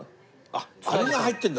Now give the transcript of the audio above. あれが入ってるんだ！